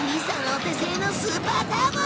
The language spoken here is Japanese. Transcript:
お手製のスーパーターボ！